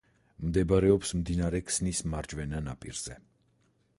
მდებარეობს მდინარე ქსნის მარჯვენა ნაპირზე.